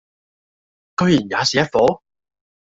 居然也是一夥；